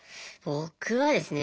僕はですね